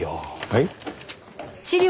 はい？